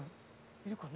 いるかな？